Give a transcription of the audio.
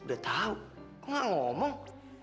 udah tau gak ngomong